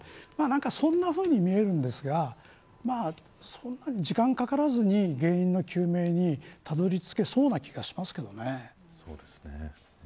そんなふうに見えるんですがそんなに時間かからずに原因の究明にたどり着けそうな気がしますけどね。